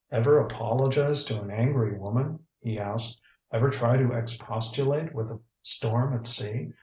"Ever apologize to an angry woman?" he asked. "Ever try to expostulate with a storm at sea?